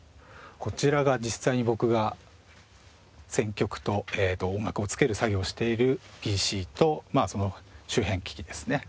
こちらが実際に僕が選曲と音楽をつける作業をしているＰＣとまあその周辺機器ですね。